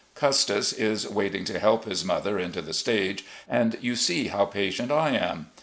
Custis is waiting to help his mother into the stage, and you see how patient I am.